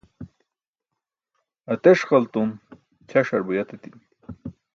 ateṣqaltum, ćaṣar buyat etimi